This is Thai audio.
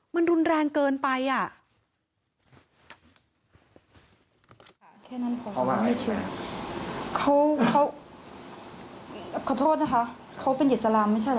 มันรุนแรงเกินไปอ่ะ